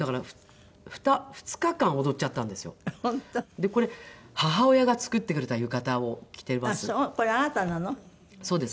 でこれ母親が作ってくれた浴衣を着ています。